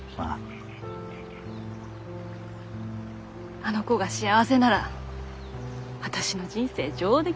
あの子が幸せなら私の人生上出来だよ。